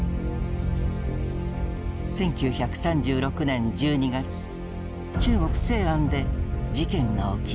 １９３６年１２月中国・西安で事件が起きる。